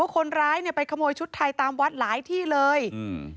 คนร้ายเนี้ยไปขโมยชุดไทยตามวัดหลายที่เลยอืม